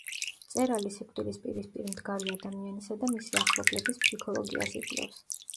მწერალი სიკვდილის პირისპირ მდგარი ადამიანისა და მისი ახლობლების ფსიქოლოგიას იკვლევს.